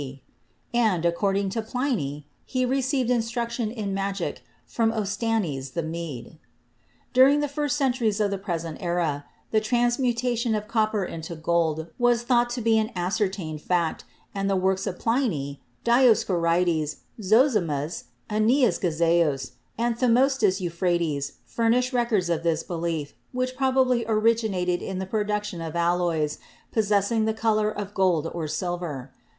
d.), and, according to Pliny, he received instruction in magic from Ostanes the Mede. During the first centuries of the present era, the trans mutation of copper into gold was thought to be an ascer tained fact, and the works of Pliny, Dioscorides, Zosimus, Aeneas Gazaeos and Themistos Euphrades furnish records THE EARLY ALCHEMISTS 27 of this belief, which probably originated in the production of alloys possessing the color of gold or silver.